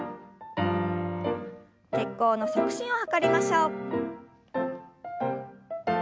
血行の促進を図りましょう。